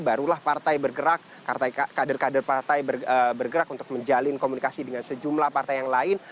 barulah partai bergerak kader kader partai bergerak untuk menjalin komunikasi dengan sejumlah partai yang lain